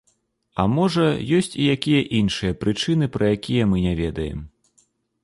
А, можа, ёсць і якія іншыя прычыны, пра якія мы не ведаем.